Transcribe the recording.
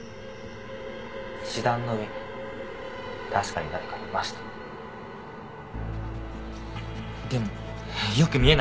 「石段の上に確かに誰かいました」でもよく見えなくて。